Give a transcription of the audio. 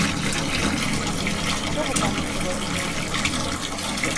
Нічога там не было відно.